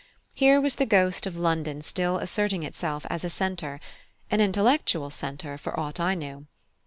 Here was the ghost of London still asserting itself as a centre, an intellectual centre, for aught I knew.